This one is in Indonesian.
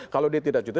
kalau dia tidak cuti